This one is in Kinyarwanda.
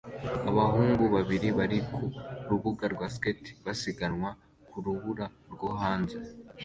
Abahungu babiri bari ku rubura rwa skate basiganwa ku rubura rwo hanze